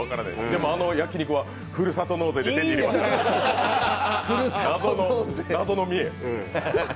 でも、あの焼き肉はふるさと納税で謎の三重。